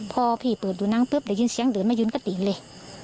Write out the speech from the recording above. พอพี่เปิดดูหนังปุ๊บได้ยินเสียงเดินมายืนก็ตีนเลย